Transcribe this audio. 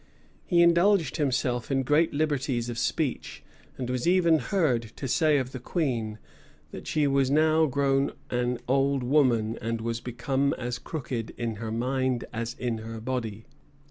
He indulged himself in great liberties of speech, and was even heard to say of the queen, that she was now grown an old woman and was become as crooked in her mind as in her body.